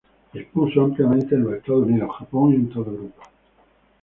Expuso ampliamente en los Estados Unidos, Japón y en toda Europa.